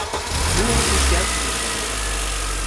Nur die Stärksten überleben.